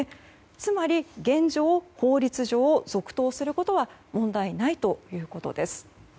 つまり現状法律上、続投することは問題ないということです。